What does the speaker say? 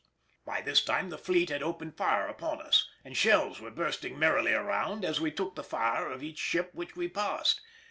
By this time the fleet had opened fire upon us, and shells were bursting merrily around as we took the fire of each ship which we passed.